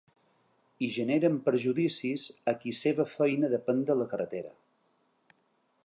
I generen perjudicis a qui seva feina depèn de la carretera.